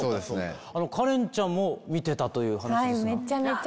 カレンちゃんも見てたという話ですが。